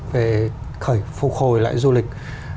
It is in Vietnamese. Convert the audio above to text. về khởi phục hồi lại du lịch